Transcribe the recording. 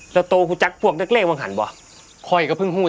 เจ้าหัวจักรความอังหารว่ะพ่อยก็พึง